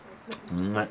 うまい。